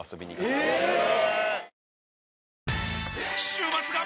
週末が！！